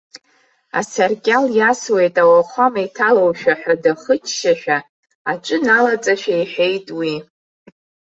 Асаркьал иасуеит ауахәама иҭалоушәа ҳәа дахыччашәа, аҵәы налаҵашәа иҳәеит уи.